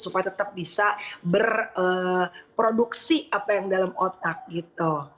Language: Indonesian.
supaya tetap bisa berproduksi apa yang dalam otak gitu